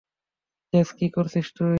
Jazz, কী করছিস তুই?